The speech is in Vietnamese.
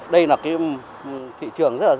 đây là thị trường rất rộng